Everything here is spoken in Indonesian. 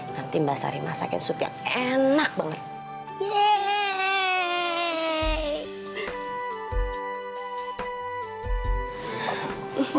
nanti mbak sari masak yang enak banget yeay